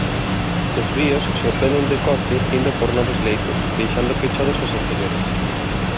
Os ríos sorprenden decote indo por novos leitos, deixando pechados os anteriores.